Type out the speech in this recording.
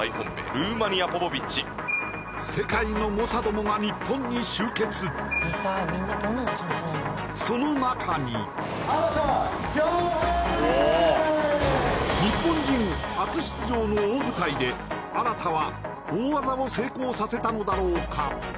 ルーマニアポポビッチ世界の猛者どもが日本に集結その中に日本人初出場の大舞台で荒田は大技を成功させたのだろうか